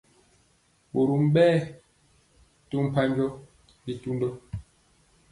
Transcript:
Ɓorom ɓɛ to mpanjɔ bitundɔ.